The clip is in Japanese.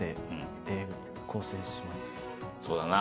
そうだな。